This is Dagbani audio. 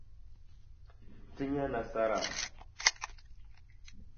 Ti nya nasara.